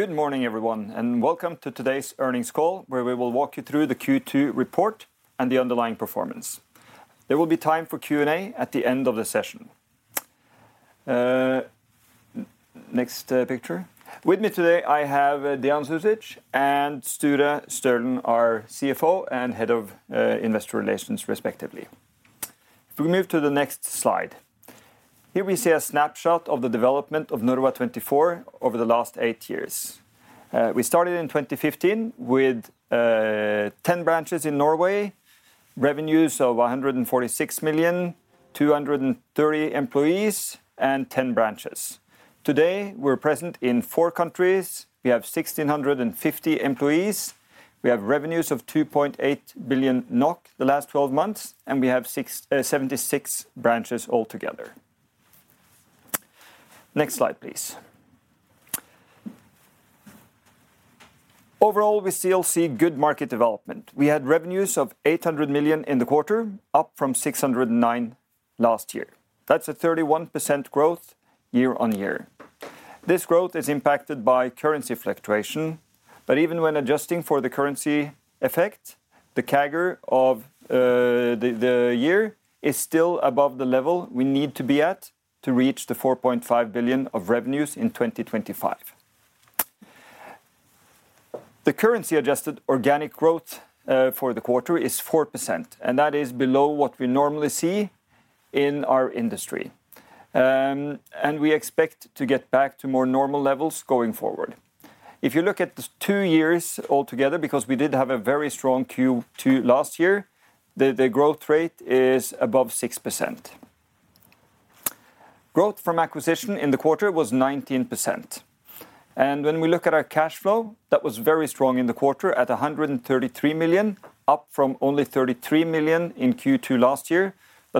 Good morning, everyone, welcome to today's earnings call, where we will walk you through the Q2 report and the underlying performance. There will be time for Q&A at the end of the session. Next picture. With me today, I have Dean Zuzic and Sture Stølen, our CFO and Head of Investor Relations respectively. If we move to the next slide. Here we see a snapshot of the development of Norva24 over the last eight years. We started in 2015 with 10 branches in Norway, revenues of 146 million, 230 employees, and 10 branches. Today, we're present in four countries. We have 1,650 employees. We have revenues of 2.8 billion NOK the last 12 months, and we have 76 branches altogether. Next slide, please. Overall, we still see good market development. We had revenues of 800 million in the quarter, up from 609 million last year. That's a 31% growth year-over-year. This growth is impacted by currency fluctuation, but even when adjusting for the currency effect, the CAGR of the year is still above the level we need to be at to reach the 4.5 billion of revenues in 2025. The currency-adjusted organic growth for the quarter is 4%, and that is below what we normally see in our industry. We expect to get back to more normal levels going forward. If you look at the two years altogether, because we did have a very strong Q2 last year, the growth rate is above 6%. Growth from acquisition in the quarter was 19%, and when we look at our cash flow, that was very strong in the quarter at 133 million, up from only 33 million in Q2 last year.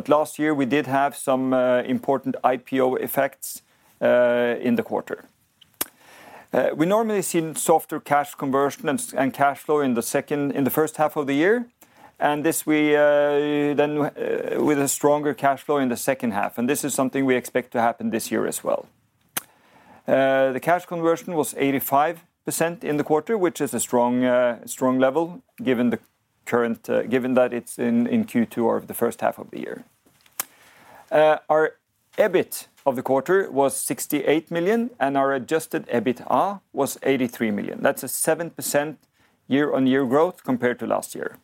Last year we did have some important IPO effects in the quarter. We normally see softer cash conversion and cash flow in the first half of the year, and this we then with a stronger cash flow in the second half, and this is something we expect to happen this year as well. The cash conversion was 85% in the quarter, which is a strong, strong level, given the current, given that it's in, in Q2 or the first half of the year. Our EBIT of the quarter was 68 million, and our adjusted EBITA was 83 million. That's a 7% year-on-year growth compared to last year.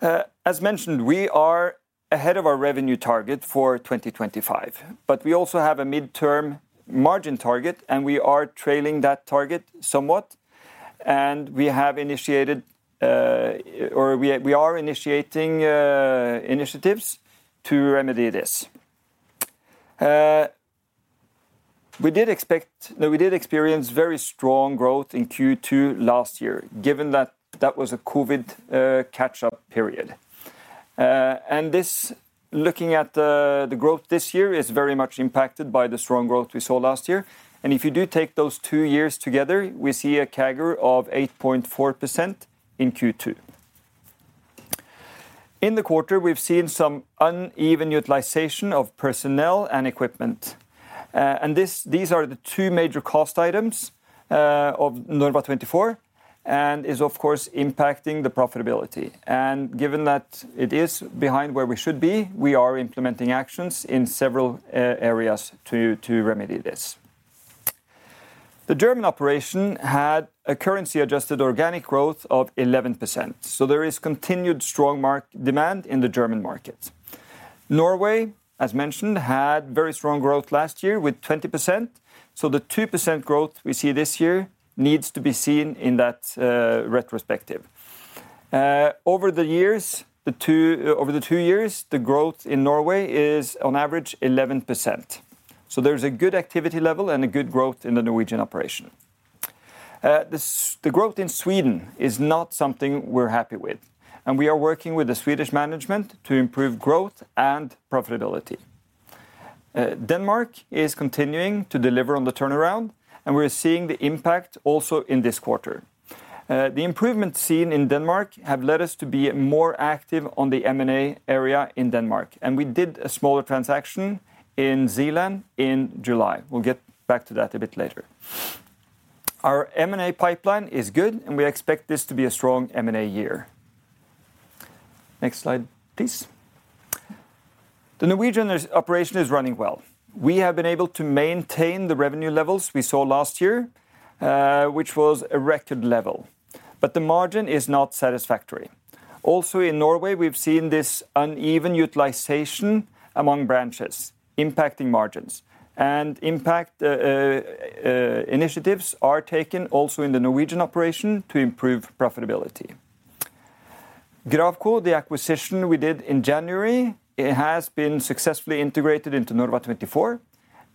As mentioned, we are ahead of our revenue target for 2025, but we also have a midterm margin target, and we are trailing that target somewhat, and we have initiated, or we, we are initiating initiatives to remedy this. We did expect... No, we did experience very strong growth in Q2 last year, given that that was a COVID catch-up period. This, looking at the growth this year, is very much impacted by the strong growth we saw last year. If you do take those two years together, we see a CAGR of 8.4% in Q2. In the quarter, we've seen some uneven utilization of personnel and equipment, this, these are the two major cost items of Norva24, and is, of course, impacting the profitability. Given that it is behind where we should be, we are implementing actions in several areas to, to remedy this. The German operation had a currency-adjusted organic growth of 11%, so there is continued strong mark demand in the German market. Norway, as mentioned, had very strong growth last year with 20%, so the 2% growth we see this year needs to be seen in that retrospective. Over the years, over the two years, the growth in Norway is on average 11%. There's a good activity level and a good growth in the Norwegian operation. The growth in Sweden is not something we're happy with. We are working with the Swedish management to improve growth and profitability. Denmark is continuing to deliver on the turnaround. We're seeing the impact also in this quarter. The improvement seen in Denmark have led us to be more active on the M&A area in Denmark. We did a smaller transaction in Zealand in July. We'll get back to that a bit later. Our M&A pipeline is good. We expect this to be a strong M&A year. Next slide, please. The Norwegian operation is running well. We have been able to maintain the revenue levels we saw last year, which was a record level. The margin is not satisfactory. In Norway, we've seen this uneven utilization among branches, impacting margins, and impact initiatives are taken also in the Norwegian operation to improve profitability. Gravco, the acquisition we did in January, it has been successfully integrated into Norva24,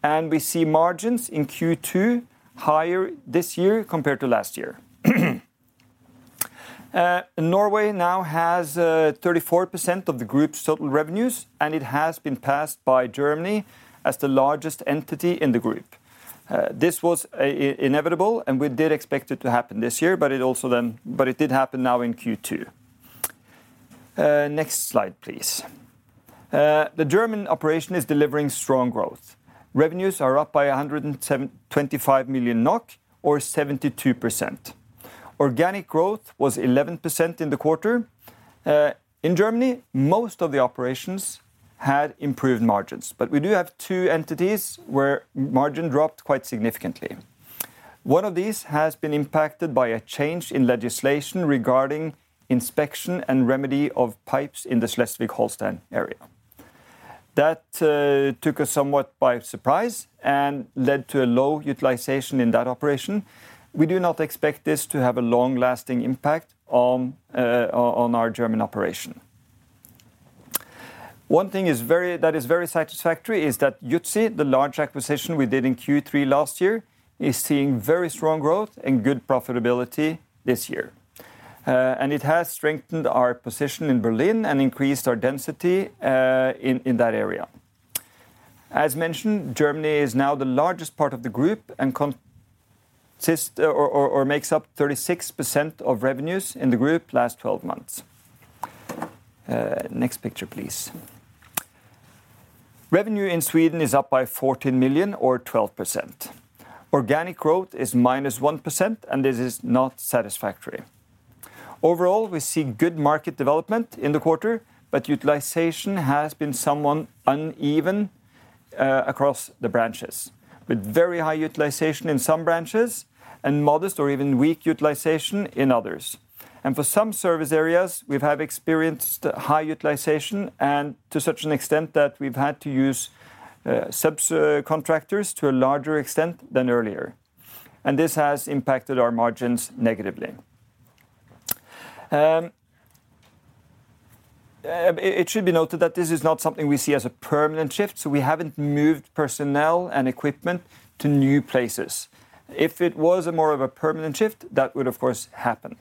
and we see margins in Q2 higher this year compared to last year. Norway now has 34% of the group's total revenues, and it has been passed by Germany as the largest entity in the group. This was inevitable, and we did expect it to happen this year, but it did happen now in Q2. Next slide, please. The German operation is delivering strong growth. Revenues are up by 107.25 million NOK or 72%. Organic growth was 11% in the quarter. In Germany, most of the operations had improved margins, but we do have two entities where margin dropped quite significantly. One of these has been impacted by a change in legislation regarding inspection and remedy of pipes in the Schleswig-Holstein area. That took us somewhat by surprise and led to a low utilization in that operation. We do not expect this to have a long-lasting impact on our German operation. One thing that is very satisfactory is that Jutzy, the large acquisition we did in Q3 last year, is seeing very strong growth and good profitability this year. It has strengthened our position in Berlin and increased our density in that area. As mentioned, Germany is now the largest part of the group and makes up 36% of revenues in the group last 12 months. Next picture, please. Revenue in Sweden is up by 14 million or 12%. Organic growth is -1%. This is not satisfactory. Overall, we see good market development in the quarter, but utilization has been somewhat uneven across the branches, with very high utilization in some branches and modest or even weak utilization in others. For some service areas, we've have experienced high utilization and to such an extent that we've had to use subcontractors to a larger extent than earlier, and this has impacted our margins negatively. It, it should be noted that this is not something we see as a permanent shift, so we haven't moved personnel and equipment to new places. If it was a more of a permanent shift, that would, of course, happen.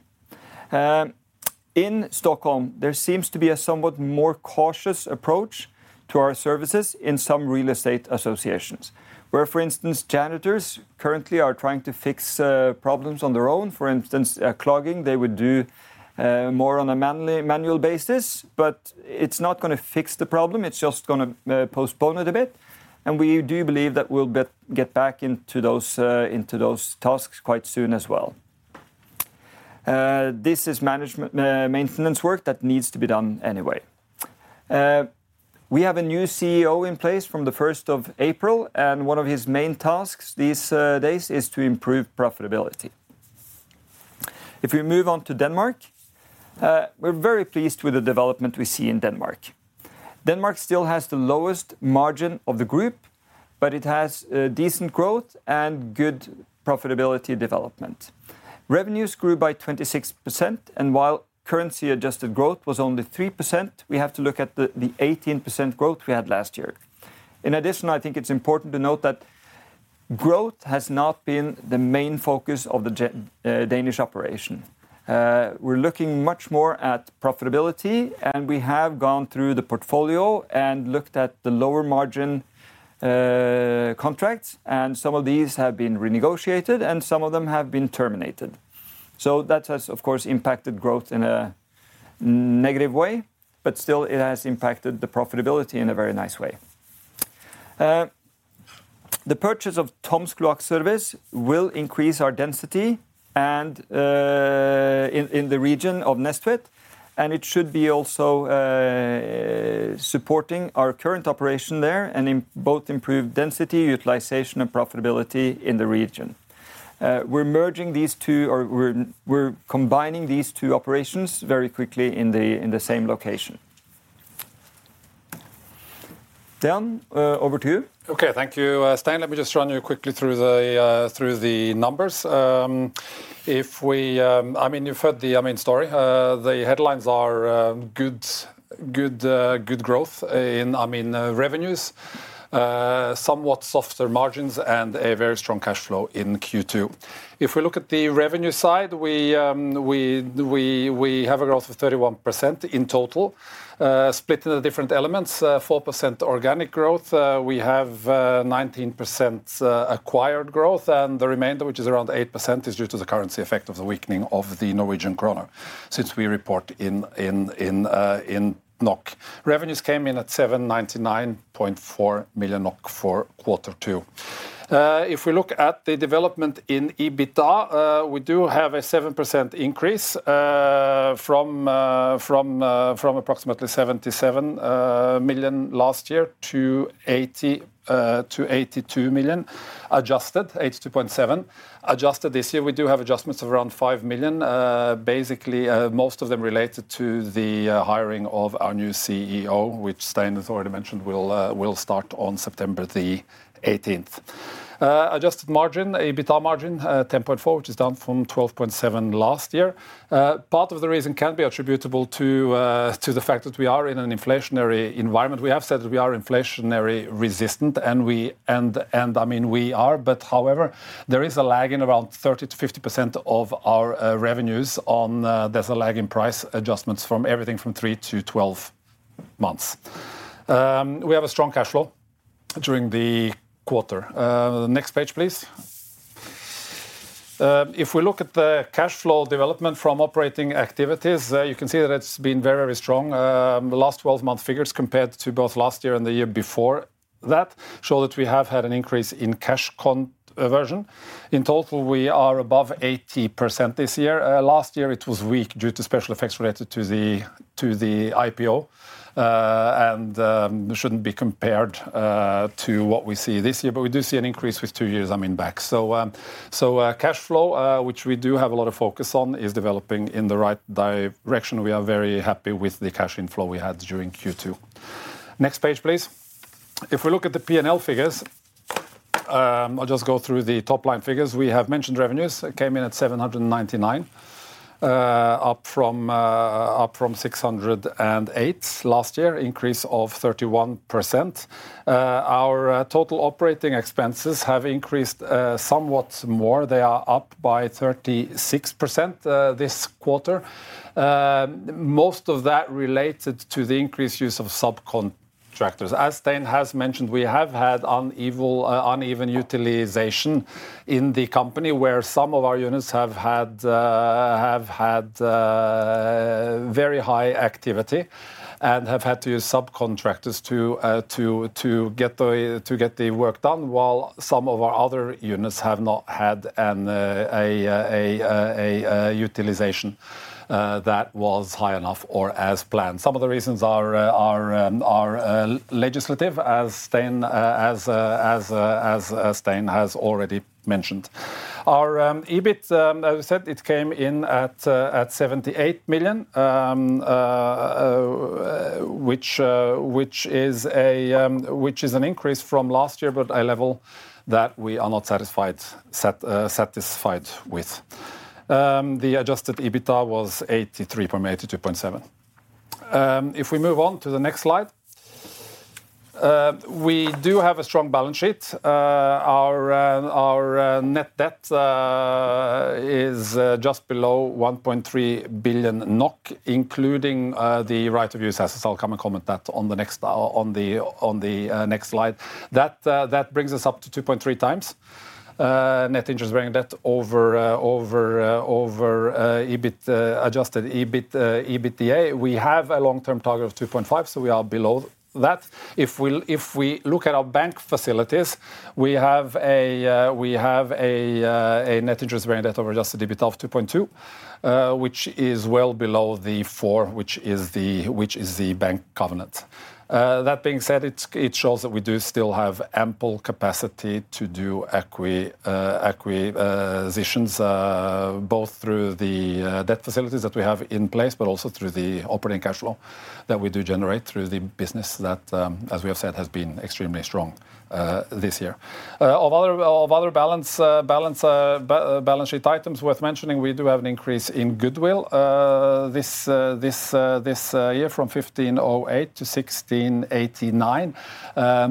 In Stockholm, there seems to be a somewhat more cautious approach to our services in some real estate associations, where, for instance, janitors currently are trying to fix problems on their own. For instance, clogging, they would do more on a manual, manual basis, but it's not gonna fix the problem. It's just gonna postpone it a bit, and we do believe that we'll get, get back into those, into those tasks quite soon as well. This is management, maintenance work that needs to be done anyway. We have a new CEO in place from the first of April, and one of his main tasks these days is to improve profitability. If we move on to Denmark, we're very pleased with the development we see in Denmark. Denmark still has the lowest margin of the group, but it has decent growth and good profitability development. Revenues grew by 26%, and while currency-adjusted growth was only 3%, we have to look at the, the 18% growth we had last year. In addition, I think it's important to note that growth has not been the main focus of the Danish operation. We're looking much more at profitability, and we have gone through the portfolio and looked at the lower margin contracts, and some of these have been renegotiated, and some of them have been terminated. That has, of course, impacted growth in a negative way, but still, it has impacted the profitability in a very nice way. The purchase of Toms Kloakservice will increase our density and in the region of Næstved, and it should be also supporting our current operation there and both improve density, utilization, and profitability in the region. We're merging these two, or we're combining these two operations very quickly in the same location. Dean, over to you. Okay. Thank you, Stein. Let me just run you quickly through the numbers. If we, I mean, you've heard the, I mean, story. The headlines are, good, good, good growth in revenues, somewhat softer margins, and a very strong cash flow in Q2. If we look at the revenue side, we, we, we have a growth of 31% in total, split into the different elements, 4% organic growth. We have 19% acquired growth, and the remainder, which is around 8%, is due to the currency effect of the weakening of the Norwegian krone since we report in, in, in, in NOK. Revenues came in at 799.4 million NOK for quarter two. If we look at the development in EBITDA, we do have a 7% increase from approximately 77 million last year to 82 million, adjusted, 82.7 million. Adjusted this year, we do have adjustments of around 5 million, basically, most of them related to the hiring of our new CEO, which Stein has already mentioned, will start on September the 18th. Adjusted margin, EBITDA margin, 10.4%, which is down from 12.7% last year. Part of the reason can be attributable to the fact that we are in an inflationary environment. We have said that we are inflationary resistant, and I mean, we are, but however, there is a lag in around 30%-50% of our revenues on, there's a lag in price adjustments from everything from three to 12 months. We have a strong cash flow during the quarter. Next page, please. If we look at the cash flow development from operating activities, you can see that it's been very, very strong. The last 12-month figures compared to both last year and the year before that, show that we have had an increase in cash conversion. In total, we are above 80% this year. Last year it was weak due to special effects related to the, to the IPO. Shouldn't be compared to what we see this year, but we do see an increase with two years, I mean, back. Cash flow, which we do have a lot of focus on, is developing in the right direction. We are very happy with the cash inflow we had during Q2. Next page, please. We look at the P&L figures, I'll just go through the top line figures. We have mentioned revenues, came in at 799, up from 608 last year, increase of 31%. Our total operating expenses have increased somewhat more. They are up by 36% this quarter. Most of that related to the increased use of subcontractors. As Stein has mentioned, we have had uneven utilization in the company, where some of our units have had very high activity and have had to use subcontractors to get the work done, while some of our other units have not had an utilization that was high enough or as planned. Some of the reasons are legislative, as Stein has already mentioned. Our EBIT, as I said, it came in at NOK 78 million. Which is an increase from last year, but a level that we are not satisfied with. The adjusted EBITA was 83.8 million-2.7 million. If we move on to the next slide. We do have a strong balance sheet. Our net debt is just below 1.3 billion NOK, including the right-of-use assets. I'll come and comment that on the next slide. That brings us up to 2.3x net interest bearing debt over EBIT adjusted EBIT EBITDA. We have a long-term target of 2.5, so we are below that. If we look at our bank facilities, we have a net interest bearing debt over adjusted EBIT of 2.2, which is well below the four, which is the bank covenant. That being said, it's, it shows that we do still have ample capacity to do acquisitions, both through the debt facilities that we have in place, but also through the operating cash flow that we do generate through the business that, as we have said, has been extremely strong this year. Of other, of other balance, balance sheet items worth mentioning, we do have an increase in goodwill this year from 1,508 to 1,689.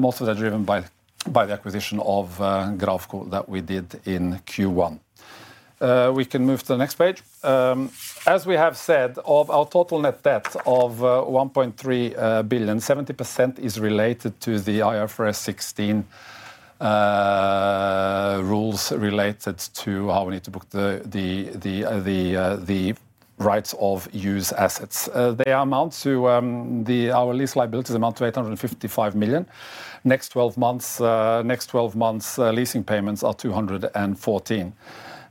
Most of that driven by, by the acquisition of Gravco that we did in Q1. We can move to the next page. As we have said, of our total net debt of 1.3 billion, 70% is related to the IFRS 16 rules related to how we need to book the rights-of-use assets. Our lease liabilities amount to 855 million. Next twelve months leasing payments are 214.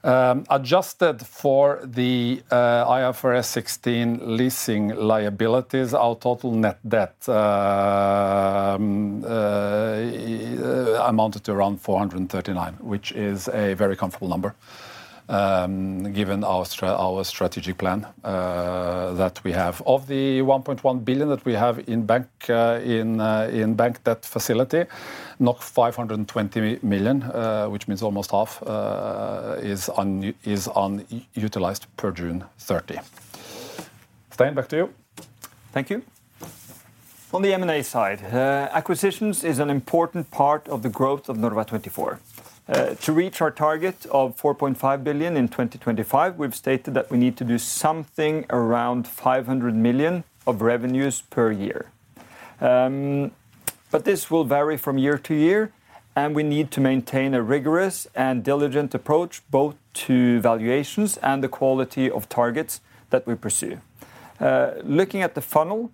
Adjusted for the IFRS 16 leasing liabilities, our total net debt amounted to around 439, which is a very comfortable number given our strategy plan that we have. Of the 1.1 billion that we have in bank, in bank debt facility, 520 million, which means almost half, is unutilized per June 30. Stein, back to you. Thank you. On the M&A side, acquisitions is an important part of the growth of Norva24. To reach our target of 4.5 billion in 2025, we've stated that we need to do something around 500 million of revenues per year. This will vary from year to year, and we need to maintain a rigorous and diligent approach, both to valuations and the quality of targets that we pursue. Looking at the funnel,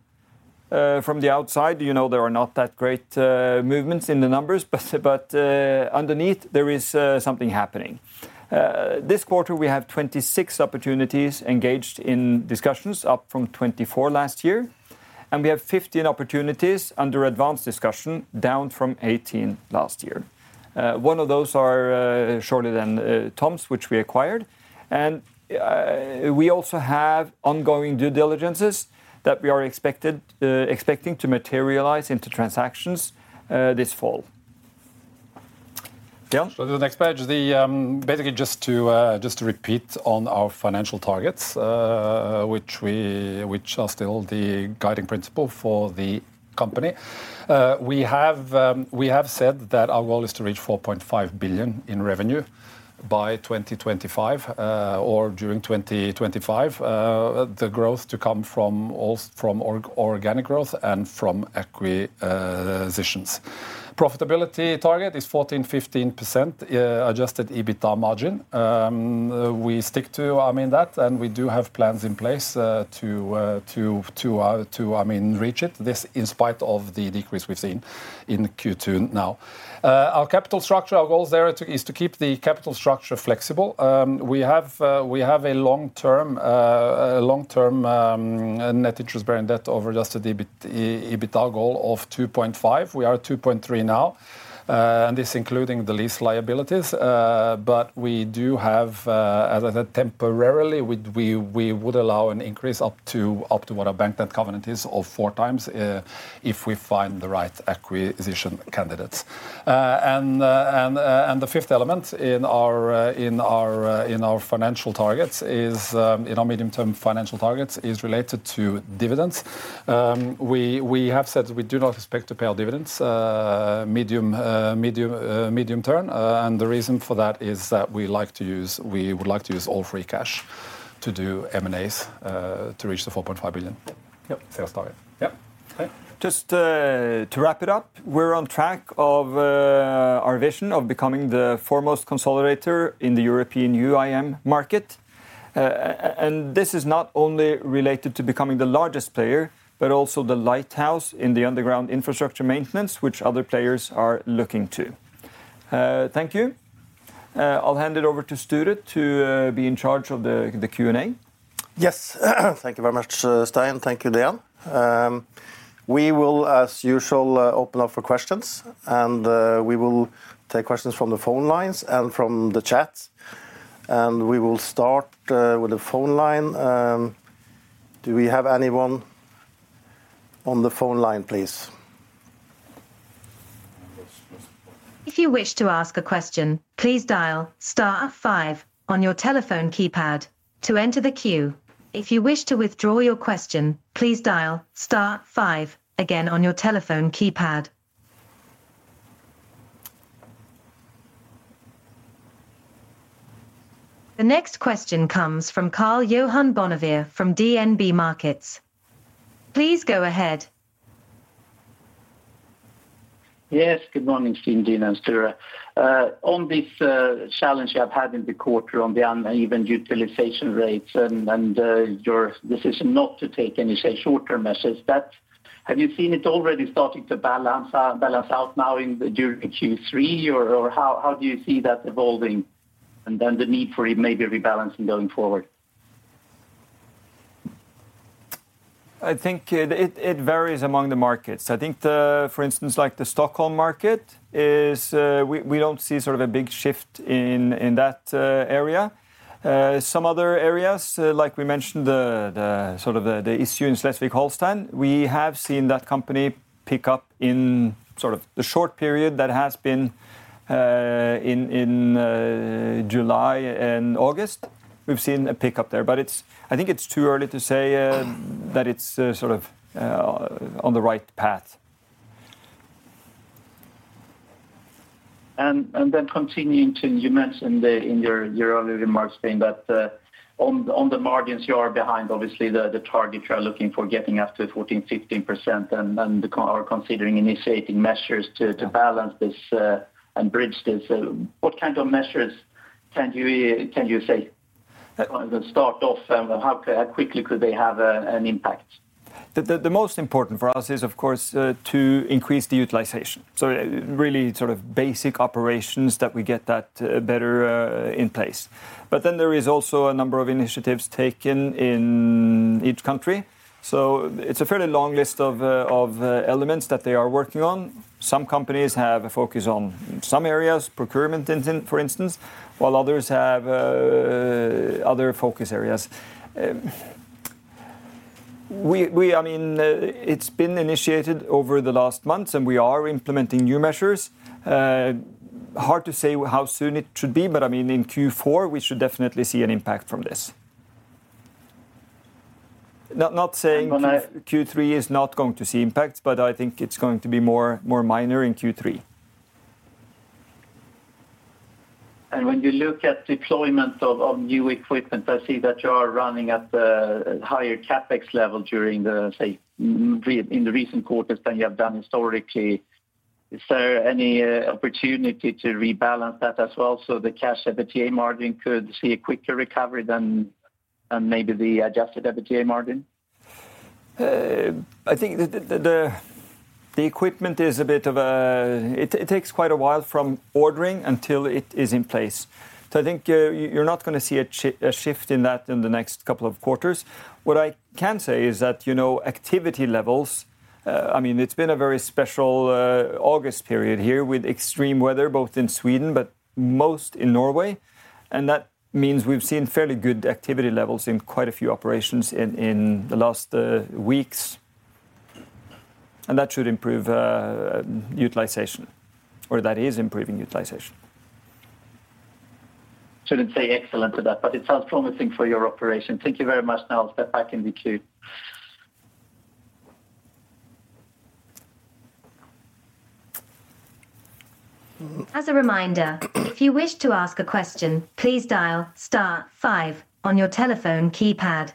from the outside, you know, there are not that great movements in the numbers, but, underneath there is something happening. This quarter, we have 26 opportunities engaged in discussions, up from 24 last year, and we have 15 opportunities under advanced discussion, down from 18 last year. One of those are, shortly than, Toms, which we acquired. We also have ongoing due diligences that we are expected, expecting to materialize into transactions this fall. The next page, basically just to, just to repeat on our financial targets, which are still the guiding principle for the company. We have, we have said that our goal is to reach 4.5 billion in revenue by 2025, or during 2025. The growth to come from organic growth and from acquisitions. Profitability target is 14%-15% adjusted EBITDA margin. We stick to, I mean, that, and we do have plans in place to, I mean, reach it. This in spite of the decrease we've seen in Q2 now. Our capital structure, our goals there is to keep the capital structure flexible. We have, we have a long term, a long-term, net interest bearing debt over adjusted EBITDA goal of 2.5. We are 2.3 now, and this including the lease liabilities, but we do have, as I said, temporarily, we, we, we would allow an increase up to, up to what our bank debt covenant is of 4 times, if we find the right acquisition candidates. And, and the fifth element in our, in our, in our financial targets is, in our medium-term financial targets, is related to dividends. We, we have said we do not expect to pay our dividends, medium, medium, medium term. The reason for that is that we like to use we would like to use all free cash to do M&As to reach the 4.5 billion- Yep. Sales target. Yep. Okay. Just to wrap it up, we're on track of our vision of becoming the foremost consolidator in the European UIM market. This is not only related to becoming the largest player, but also the lighthouse in the underground infrastructure maintenance, which other players are looking to. Thank you. I'll hand it over to Sture to be in charge of the Q&A. Yes, thank you very much, Stein. Thank you, Dean. We will, as usual, open up for questions. We will take questions from the phone lines and from the chat. We will start with the phone line. Do we have anyone on the phone line, please? If you wish to ask a question, please dial star five on your telephone keypad to enter the queue. If you wish to withdraw your question, please dial star five again on your telephone keypad. The next question comes from Karl-Johan Bonnevier from DNB Markets. Please go ahead. Yes, good morning, Stein, Dean, and Sture. On this challenge you have had in the quarter on the uneven utilization rates and your decision not to take any, say, short-term measures, have you seen it already starting to balance out now in the during the Q3, or how do you see that evolving, and then the need for it maybe rebalancing going forward? I think it, it, it varies among the markets. I think the... For instance, like the Stockholm market, is, we, we don't see sort of a big shift in, in that area. Some other areas, like we mentioned, the, the sort of the, the issue in Schleswig-Holstein, we have seen that company pick up in sort of the short period that has been in, in July and August. We've seen a pick-up there, but I think it's too early to say that it's sort of on the right path. Continuing to, you mentioned in your earlier remarks, Stein, that on the margins, you are behind, obviously, the target you are looking for, getting up to 14%-15%, and are considering initiating measures to balance this and bridge this. What kind of measures can you can you say? Start off, and how quickly could they have an impact? The most important for us is, of course, to increase the utilization. Really sort of basic operations that we get that better in place. Then there is also a number of initiatives taken in each country, so it's a fairly long list of elements that they are working on. Some companies have a focus on some areas, procurement, in turn, for instance, while others have other focus areas. We, we, I mean, it's been initiated over the last months, and we are implementing new measures. Hard to say how soon it should be, but I mean, in Q4, we should definitely see an impact from this. Not, not saying- When I Q3 is not going to see impacts, but I think it's going to be more, more minor in Q3. When you look at deployment of, of new equipment, I see that you are running at the higher CapEx level during the, say, in, in the recent quarters than you have done historically. Is there any opportunity to rebalance that as well, so the cash EBITDA margin could see a quicker recovery than, than maybe the adjusted EBITDA margin? I think the equipment is a bit of a. It, it takes quite a while from ordering until it is in place. I think you're not gonna see a shift in that in the next 2 quarters. What I can say is that, you know, activity levels, I mean, it's been a very special August period here with extreme weather, both in Sweden, but most in Norway, that means we've seen fairly good activity levels in quite a few operations in the last weeks. That should improve utilization, or that is improving utilization. Shouldn't say excellent to that, but it sounds promising for your operation. Thank you very much. Now I'll step back in the queue. As a reminder, if you wish to ask a question, please dial star 5 on your telephone keypad.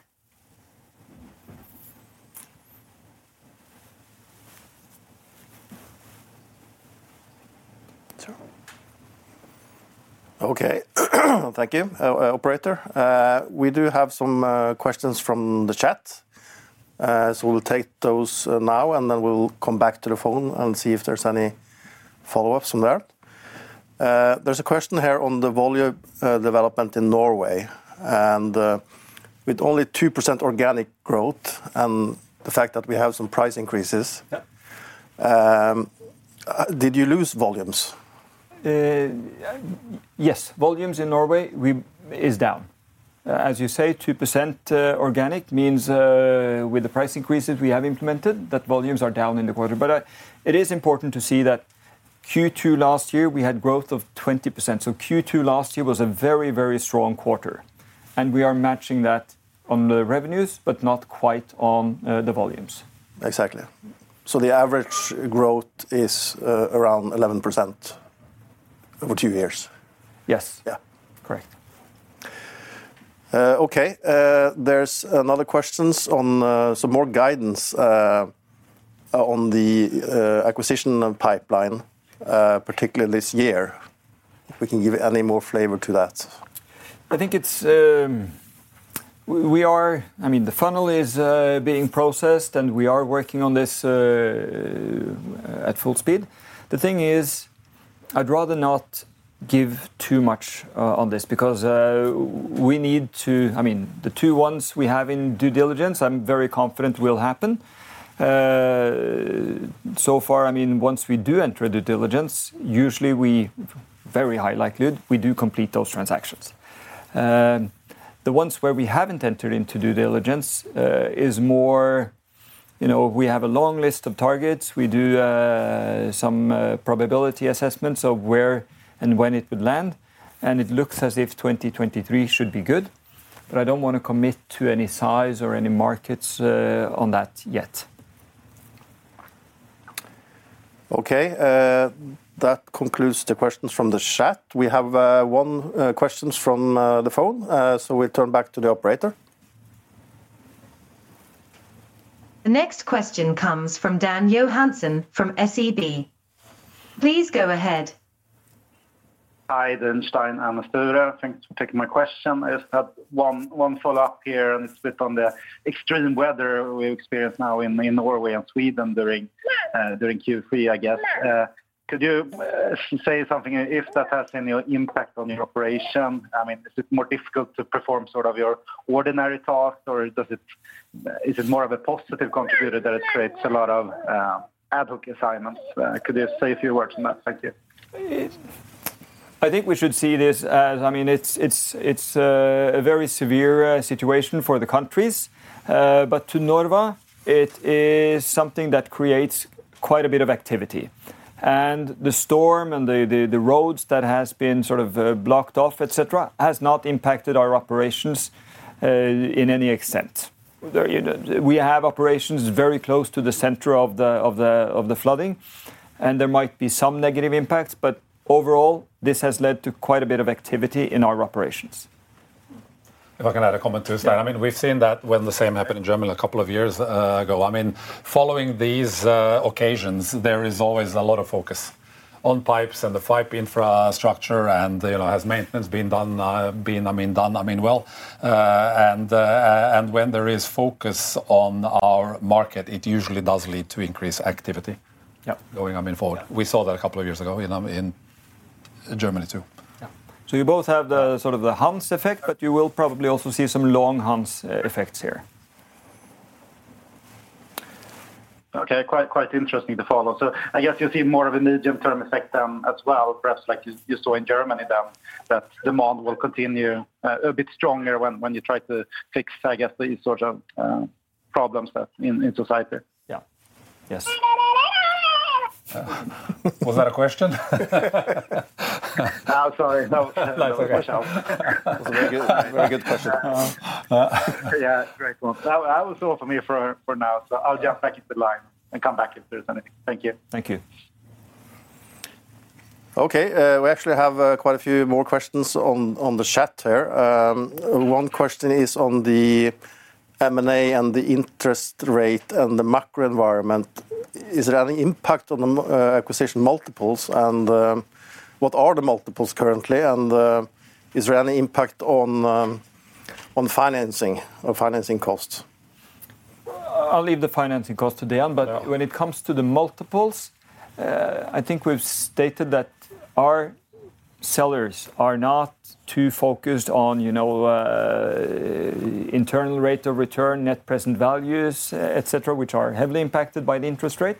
Okay. Thank you, operator. We do have some questions from the chat. We'll take those now, and then we'll come back to the phone and see if there's any follow-ups from there. There's a question here on the volume development in Norway, and with only 2% organic growth and the fact that we have some price increases- Yeah. Did you lose volumes? Yes, volumes in Norway, we is down. As you say, 2% organic means, with the price increases we have implemented, that volumes are down in the quarter. It is important to see that Q2 last year, we had growth of 20%. Q2 last year was a very, very strong quarter, and we are matching that on the revenues, but not quite on the volumes. Exactly. The average growth is, around 11% over two years? Yes. Yeah. Correct. Okay. There's another questions on some more guidance on the acquisition of pipeline, particularly this year, if we can give any more flavor to that. I think it's. We are I mean, the funnel is being processed, and we are working on this at full speed. The thing is, I'd rather not give too much on this because we need to I mean, the two ones we have in due diligence, I'm very confident will happen. So far, I mean, once we do enter due diligence, usually we, very high likelihood, we do complete those transactions. The ones where we haven't entered into due diligence is more, you know, we have a long list of targets. We do some probability assessments of where and when it would land, and it looks as if 2023 should be good, but I don't want to commit to any size or any markets on that yet. Okay, that concludes the questions from the chat. We have 1 questions from the phone. We'll turn back to the operator. The next question comes from Dan Johansson from SEB. Please go ahead. Hi, Stein and Sture. Thanks for taking my question. I just have one, one follow-up here, and it's a bit on the extreme weather we experience now in, in Norway and Sweden during Q3, I guess. Could you say something if that has any impact on your operation? I mean, is it more difficult to perform sort of your ordinary tasks, or is it more of a positive contributor that it creates a lot of ad hoc assignments? Could you say a few words on that? Thank you. I think we should see this as, I mean, it's, it's, it's a, a very severe situation for the countries. To Norva, it is something that creates quite a bit of activity. The storm and the, the, the roads that has been sort of blocked off, et cetera, has not impacted our operations in any extent. There, you know, we have operations very close to the center of the, of the, of the flooding, and there might be some negative impacts, but overall, this has led to quite a bit of activity in our operations. If I can add a comment to that, I mean, we've seen that when the same happened in Germany a couple of years ago. I mean, following these occasions, there is always a lot of focus on pipes and the pipe infrastructure and, you know, has maintenance been done, I mean, done, I mean, well. When there is focus on our market, it usually does lead to increased activity. Yeah... going, I mean, forward. We saw that a couple of years ago in Germany, too. Yeah. You both have the sort of the Hans effect, but you will probably also see some long Hans effects here. Okay, quite, quite interesting to follow. I guess you'll see more of a medium-term effect then as well, perhaps like you, you saw in Germany, then, that demand will continue a bit stronger when, when you try to fix, I guess, these sort of problems that in, in society. Yeah. Yes. Was that a question? Oh, sorry. No. That's okay. Very good. Very good question. Yeah, great one. That was all for me for now, I'll jump back into the line and come back if there's any. Thank you. Thank you. Okay, we actually have quite a few more questions on, on the chat here. One question is on the M&A and the interest rate and the macro environment. Is there any impact on acquisition multiples, and what are the multiples currently, and is there any impact on financing or financing costs? I'll leave the financing cost to Dean- Yeah When it comes to the multiples, I think we've stated that our sellers are not too focused on, you know, internal rate of return, net present values, et cetera, which are heavily impacted by the interest rate.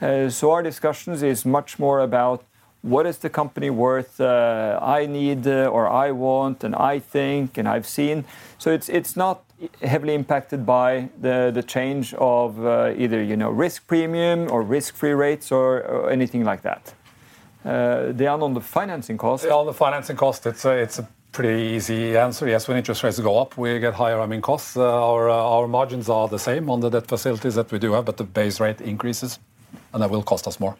Our discussions is much more about what is the company worth, I need, or I want, and I think, and I've seen. It's, it's not heavily impacted by the, the change of, either, you know, risk premium or risk-free rates or, or anything like that. On the financing cost- On the financing cost, it's a, it's a pretty easy answer. Yes, when interest rates go up, we get higher, I mean, costs. Our, our margins are the same on the debt facilities that we do have, but the base rate increases, and that will cost us more.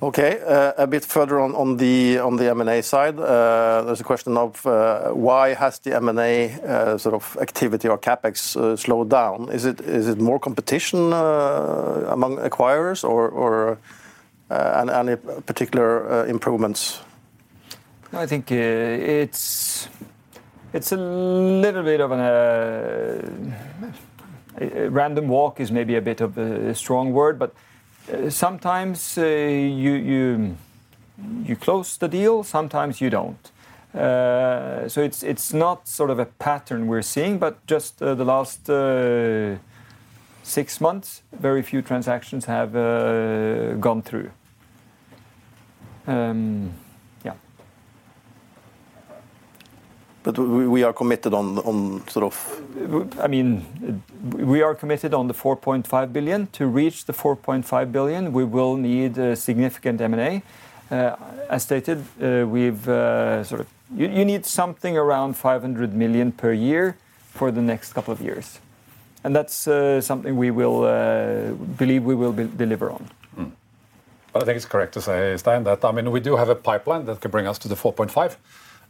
Okay. A bit further on, on the, on the M&A side, there's a question of, why has the M&A, sort of activity or CapEx, slowed down? Is it, is it more competition, among acquirers or, or, any, any particular, improvements? I think, it's a little bit of an Random walk is maybe a bit of a, a strong word, but sometimes you close the deal, sometimes you don't. It's not sort of a pattern we're seeing, but just, the last, 6 months, very few transactions have gone through. Yeah. we are committed on sort of- I mean, we are committed on the 4.5 billion. To reach the 4.5 billion, we will need a significant M&A. As stated, we've, you, you need something around 500 million per year for the next couple of years, and that's something we will, believe we will deliver on. Mm-hmm. I think it's correct to say, Stein, that, I mean, we do have a pipeline that could bring us to the 4.5.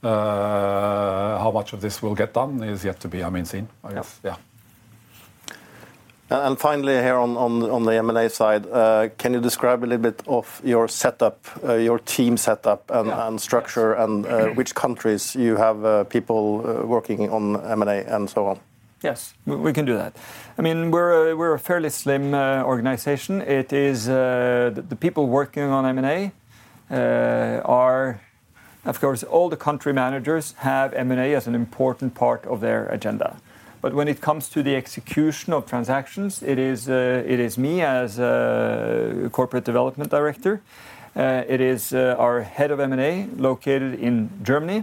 How much of this will get done is yet to be, I mean, seen? Yeah. Yes. Yeah. Finally, here on the M&A side, can you describe a little bit of your setup, your team setup? Yeah... and, and structure, and, which countries you have, people working on M&A, and so on? Yes, we can do that. I mean, we're a, we're a fairly slim organization. It is the people working on M&A are. Of course, all the country managers have M&A as an important part of their agenda. When it comes to the execution of transactions, it is me as a corporate development director, it is our head of M&A, located in Germany,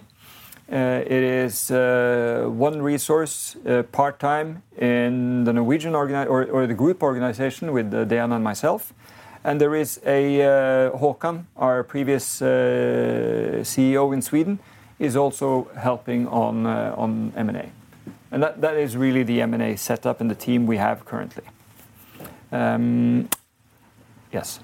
it is one resource part-time in the Norwegian or, or the group organization with Dean and myself, and there is a Håkan, our previous CEO in Sweden, is also helping on M&A. That, that is really the M&A setup and the team we have currently. Yes.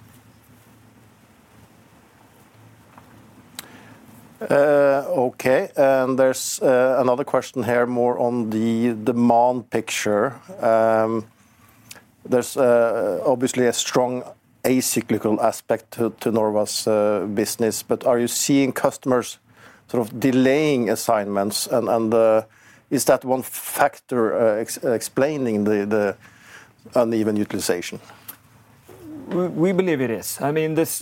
Okay, and there's another question here more on the demand picture. There's obviously a strong a cyclical aspect to Norva's business, but are you seeing customers sort of delaying assignments, and is that one factor explaining the uneven utilization? We believe it is. I mean, this.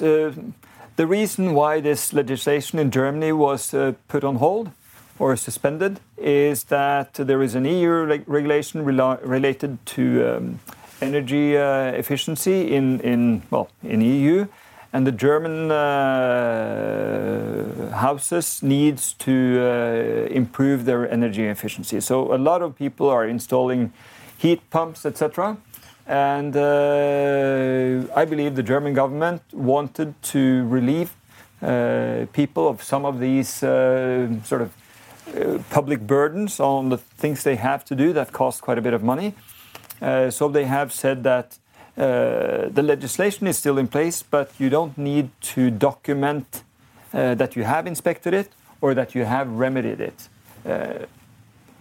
The reason why this legislation in Germany was put on hold or suspended is that there is an EU regulation related to energy efficiency in, in, well, in EU, and the German houses needs to improve their energy efficiency. A lot of people are installing heat pumps, et cetera. I believe the German government wanted to relieve people of some of these sort of public burdens on the things they have to do that cost quite a bit of money. They have said that the legislation is still in place, but you don't need to document that you have inspected it or that you have remedied it.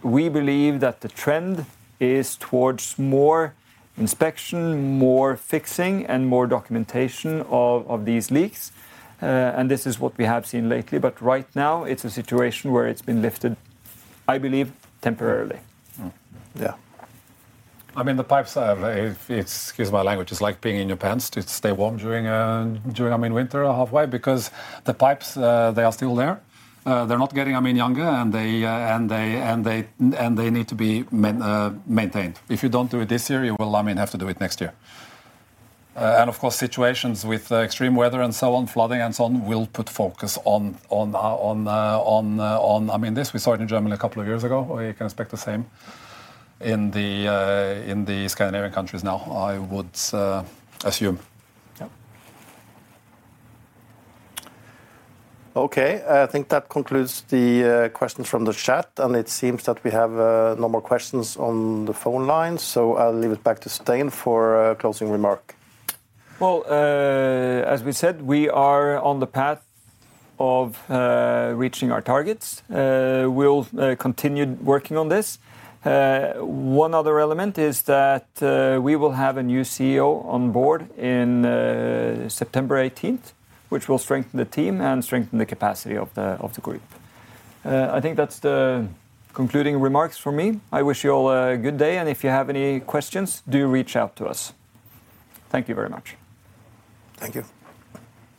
We believe that the trend is towards more inspection, more fixing, and more documentation of these leaks, and this is what we have seen lately. Right now, it's a situation where it's been lifted, I believe, temporarily. Mm-hmm. Yeah. I mean, the pipes are, if... Excuse my language, it's like peeing in your pants to stay warm during, during, I mean, winter or halfway, because the pipes, they are still there. They're not getting, I mean, younger, and they, and they, and they, and they need to be maintained. If you don't do it this year, you will, I mean, have to do it next year. Of course, situations with extreme weather and so on, flooding and so on, will put focus on, on, on, on, on. I mean, this we saw it in Germany a couple of years ago, we can expect the same in the Scandinavian countries now, I would assume. Yeah. Okay, I think that concludes the questions from the chat, and it seems that we have no more questions on the phone line, so I'll leave it back to Stein for a closing remark. As we said, we are on the path of reaching our targets. We'll continue working on this. One other element is that we will have a new CEO on board in September 18th, which will strengthen the team and strengthen the capacity of the group. I think that's the concluding remarks for me. I wish you all a good day, and if you have any questions, do reach out to us. Thank you very much. Thank you.